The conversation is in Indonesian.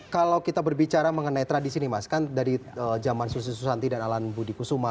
kalau kita berbicara mengenai tradisi nih mas kan dari zaman susi susanti dan alan budi kusuma